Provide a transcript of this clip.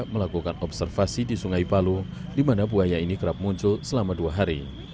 melakukan observasi di sungai palu di mana buaya ini kerap muncul selama dua hari